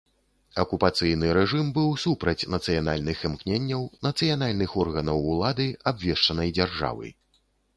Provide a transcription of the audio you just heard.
Акупацыйны рэжым быў супраць нацыянальных імкненняў, нацыянальных органаў улады абвешчанай дзяржавы.